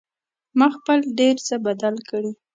ما خپل ډېر څه بدل کړي